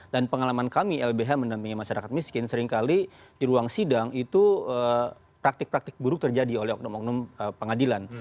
dan pengalaman kami lbh menampingi masyarakat miskin seringkali di ruang sidang itu praktik praktik buruk terjadi oleh oknum oknum pengadilan